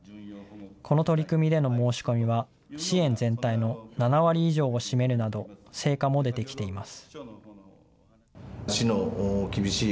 この取り組みでの申し込みは、支援全体の７割以上を占めるなど、成果も出てきています。